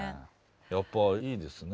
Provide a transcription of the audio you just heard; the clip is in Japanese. やっぱいいですね